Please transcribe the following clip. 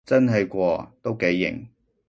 真係喎，都幾型